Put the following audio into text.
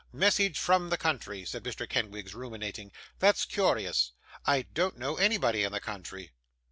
Message from the country!' said Mr. Kenwigs, ruminating; 'that's curious. I don't know anybody in the country.